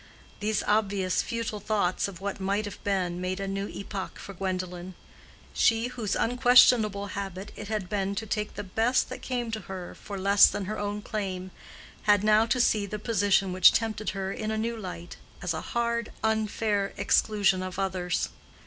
These obvious, futile thoughts of what might have been, made a new epoch for Gwendolen. She, whose unquestionable habit it had been to take the best that came to her for less than her own claim, had now to see the position which tempted her in a new light, as a hard, unfair exclusion of others.